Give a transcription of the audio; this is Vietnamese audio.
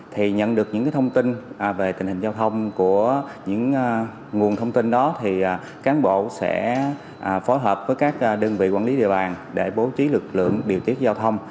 thì nhận được những thông tin về tình hình giao thông của những nguồn thông tin đó thì cán bộ sẽ phối hợp với các đơn vị quản lý địa bàn để bố trí lực lượng điều tiết giao thông